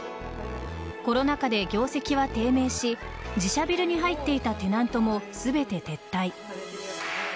コロナ禍で業績は低迷し自社ビルに入っていたテナントも全て撤退。